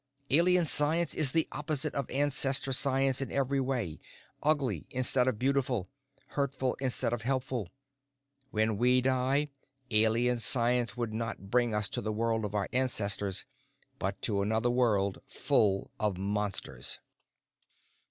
Alien Science is the opposite of Ancestor Science in every way, ugly instead of beautiful, hurtful instead of helpful. When we die, Alien Science would not bring us to the world of our ancestors, but to another world full of Monsters.